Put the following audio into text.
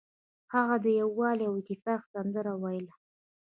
هغه د یووالي او اتفاق سندره ویله.